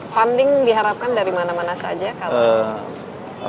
funding diharapkan dari mana mana saja